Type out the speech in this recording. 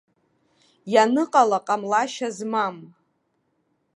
Ианыҟала ҟамлашьа змам.